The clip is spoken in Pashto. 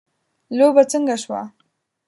لوبه څنګه شوه .